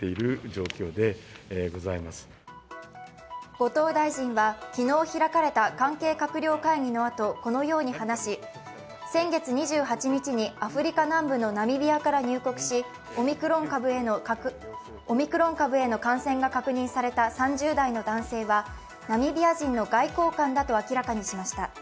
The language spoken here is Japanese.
後藤大臣は昨日開かれた関係閣僚会議のあと、このように話し先月２８日にアフリカ南部のナミビアから入国し、オミクロン株への感染が確認された３０代の男性はナミビア人の外交官だと明らかにしました。